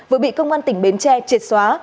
vừa bị công an tỉnh bến tre triệt xóa